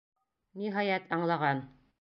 Ниһайәт, аңлаған!